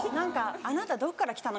あなたどっから来たの？